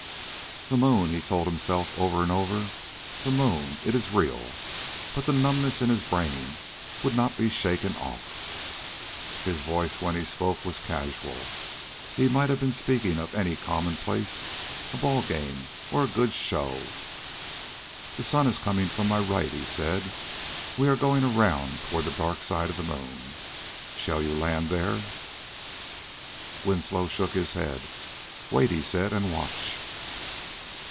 "The moon!" he told himself over and over. "The moon it is real!" But the numbness in his brain would not be shaken off. His voice, when he spoke, was casual. He might have been speaking of any commonplace a ball game, or a good show. "The sun is coming from my right," he said. "We are going around toward the dark side of the moon. Shall you land there?" Winslow shook his head. "Wait," he said, "and watch."